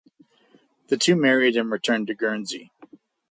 The two married and returned to Guernsey.